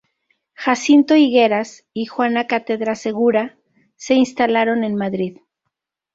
Jacinto Higueras y Juana Cátedra Segura se instalaron en Madrid.